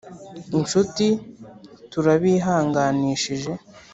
Inshuti turabihanganishije